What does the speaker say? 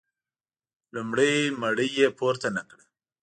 لومړۍ مړۍ یې پورته نه کړه.